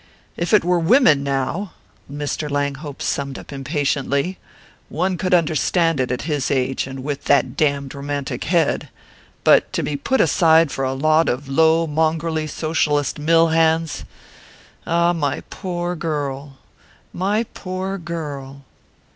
If it were women, now," Mr. Langhope summed up impatiently, "one could understand it, at his age, and with that damned romantic head but to be put aside for a lot of low mongrelly socialist mill hands ah, my poor girl my poor girl!"